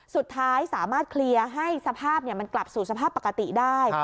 สุดท้ายสามารถเคลียร์ให้สภาพมันกลับสู่สภาพปกติได้